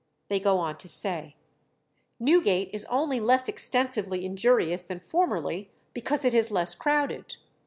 They go on to say "Newgate is only less extensively injurious than formerly because it is less crowded.